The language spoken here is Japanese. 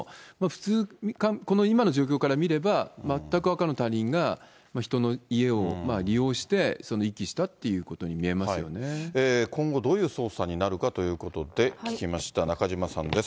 普通に、この今の状況から見れば、全く赤の他人が人の家を利用して、遺棄したっていうことに見えます今後、どういう捜査になるかということで、聞きました、中島さんです。